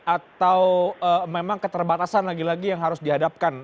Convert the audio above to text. atau memang keterbatasan lagi lagi yang harus dihadapkan